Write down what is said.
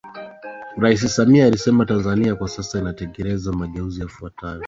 Rais Samia alisema Tanzania kwa sasa imetekeleza mageuzi yafuatayo